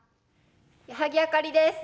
矢作あかりです。